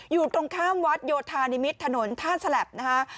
อยู่ตรงข้ามวัดโยธานิมิตรถนนท่าฉลับนะคะ